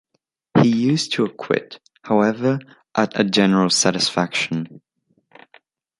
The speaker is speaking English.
He used to acquit, however, at a general satisfaction.